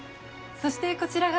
そしてこちらが。